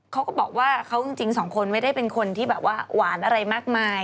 เขาก็บอกว่าเขาจริงสองคนไม่ได้เป็นคนที่แบบว่าหวานอะไรมากมาย